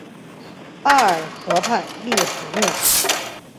奥尔河畔勒普若。